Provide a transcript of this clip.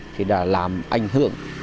thì đã làm ảnh hưởng